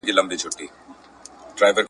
مانا هرې «ناوې» به د میړه و کور ته